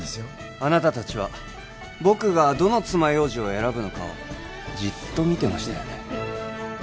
あなた達は僕がどの爪楊枝を選ぶのかをじっと見てましたよね